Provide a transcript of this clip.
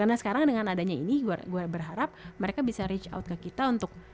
nah sekarang dengan adanya ini gue berharap mereka bisa reach out ke kita untuk